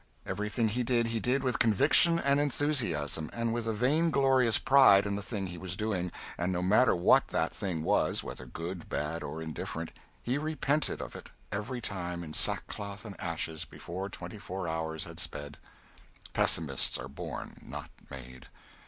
Everything he did he did with conviction and enthusiasm and with a vainglorious pride in the thing he was doing and no matter what that thing was, whether good, bad or indifferent, he repented of it every time in sackcloth and ashes before twenty four hours had sped. Pessimists are born, not made.